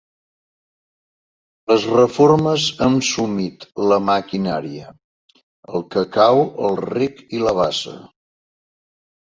Les reformes han sumit la maquinària, el cacau, el rec i la bassa.